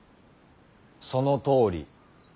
そのとおり。